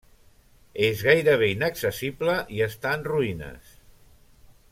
És gairebé inaccessible i està en ruïnes.